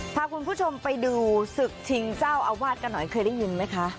พาคุณผู้ชมไปดูศึกชิงเจ้าอาวาสกันหน่อยเคยได้ยินไหมคะ